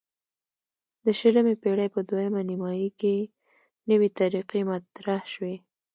د شلمې پیړۍ په دویمه نیمایي کې نوې طریقې مطرح شوې.